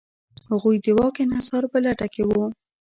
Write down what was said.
هغوی د واک انحصار په لټه کې و.